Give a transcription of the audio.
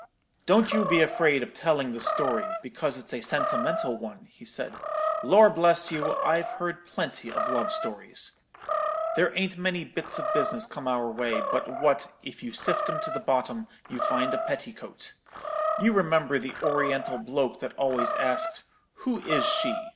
"'Don't you be afraid of telling the story, because it's a sentimental one,' he said: 'Lor' bless you, I've heard plenty of love stories. There ain't many bits of business come our way but what, if you sift 'em to the bottom, you find a petticoat. You remember the Oriental bloke that always asked, 'Who is she?'